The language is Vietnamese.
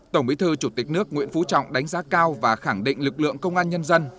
tổng bí thư chủ tịch nước nguyễn phú trọng đánh giá cao và khẳng định lực lượng công an nhân dân